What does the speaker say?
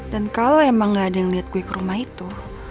dan kalau memang nggak ada yang liat gua ke rumah itu